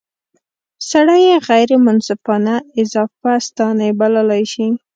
سړی یې غیر منصفانه اضافه ستانۍ بللای شي.